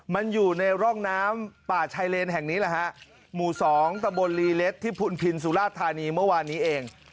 มันอยู่ในร่องน้ำป่าชายเลนแห่งนี้แหละฮะหมู่๒ตะบนลีเล็ดที่พุนพินสุราชธานีเมื่อวานนี้เอง